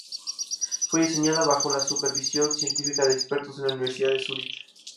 Fue diseñada bajo la supervisión científica de expertos de la Universidad de Zúrich.